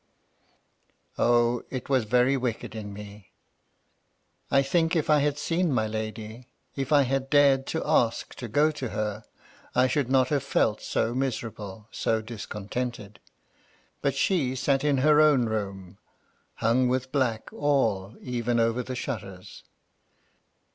O I it was very wicked in me ! I think if I had seen my lady, — if I had dared to ask to go to her, I should not have felt so miserable, so discontented. But she sat in her own room, hung with black, all, even over the shutters.